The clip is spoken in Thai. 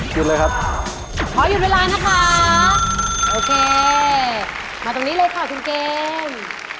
หยุดเลยครับขอหยุดเวลานะคะโอเคมาตรงนี้เลยค่ะคุณเกม